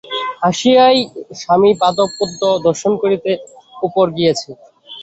আসিয়াই স্বামিপাদপদ্ম দর্শন করিতে উপরে গিয়াছে।